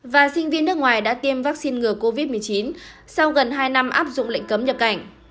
và sinh viên nước ngoài đã tiêm vaccine ngừa covid một mươi chín sau gần hai năm áp dụng lệnh cấm nhập cảnh